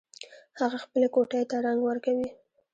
هغه خپلې کوټۍ ته رنګ ورکوي